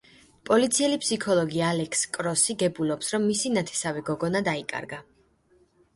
პოლიციელი ფსიქოლოგი ალექს კროსი გებულობს რომ მისი ნათესავი გოგონა დაიკარგა.